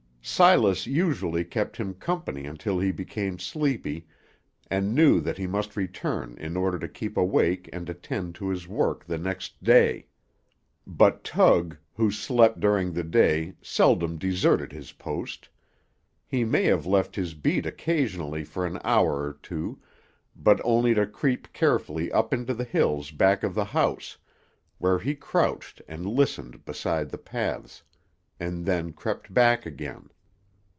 Silas usually kept him company until he became sleepy, and knew that he must return in order to keep awake and attend to his work the next day; but Tug, who slept during the day, seldom deserted his post. He may have left his beat occasionally for an hour or two, but only to creep carefully up into the hills back of the house, where he crouched and listened beside the paths, and then crept back again.